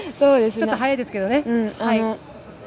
ちょっと早いですけれどもね。